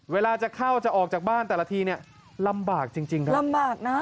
เวลาจะเข้าจะออกจากบ้านแต่ละทีลำบากจริงครับ